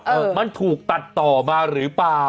เออมันถูกตัดต่อมาหรือเปล่า